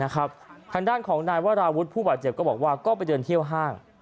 ทางด้านของนายวราวุฒิผู้บาดเจ็บก็บอกว่าก็ไปเดินเที่ยวห้าง